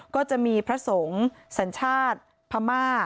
ก็จะมีพระสงฆ์สัญชาติพม่า